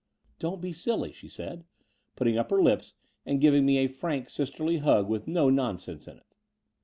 "Don't be silly," she said, putting up her Ups and giving me a frank sisterly hug with no non sense in it.